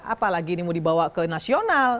apalagi ini mau dibawa ke nasional